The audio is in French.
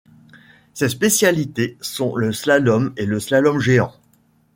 Ses spécialités sont le slalom et le slalom géant.